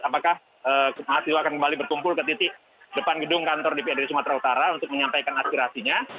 apakah mahasiswa akan kembali berkumpul ke titik depan gedung kantor dprd sumatera utara untuk menyampaikan aspirasinya